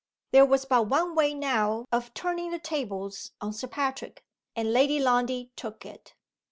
There was but one way now of turning the tables on Sir Patrick and Lady Lundie took it.